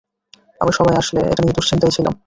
আমরা সবাই আসলে এটা নিয়ে দুঃশ্চিন্তায় ছিলাম।